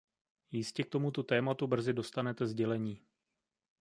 Jistě k tomuto tématu brzy dostanete sdělení.